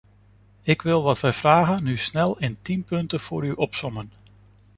Ik wil wat wij vragen nu snel in tien punten voor u opsommen.